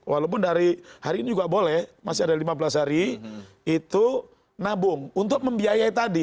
walaupun dari hari ini juga boleh masih ada lima belas hari itu nabung untuk membiayai tadi